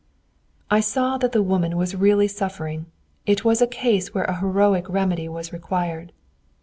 I saw that the woman was really suffering. It was a case where a heroic remedy was required.